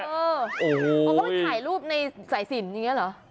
เพราะว่าถ่ายรูปในสายสินอย่างนี้เหรอ